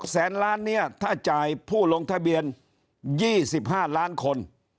แสนล้านเนี่ยถ้าจ่ายผู้ลงทะเบียน๒๕ล้านคน